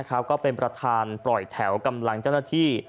ก็เป็นประธานปล่อยแถวกำลังเจ้าหน้าที่